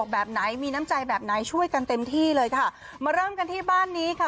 แบบไหนมีน้ำใจแบบไหนช่วยกันเต็มที่เลยค่ะมาเริ่มกันที่บ้านนี้ค่ะ